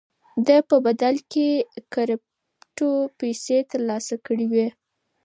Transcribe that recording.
ده په بدل کې کرېپټو پيسې ترلاسه کړې وې.